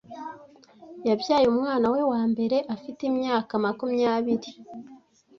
Yabyaye umwana we wa mbere afite imyaka makumyabiri.